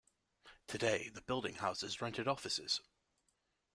Today the building houses rented offices.